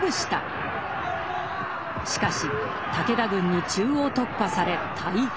しかし武田軍に中央突破され大敗。